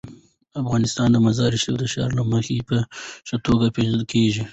افغانستان د مزارشریف د ښار له مخې په ښه توګه پېژندل کېږي.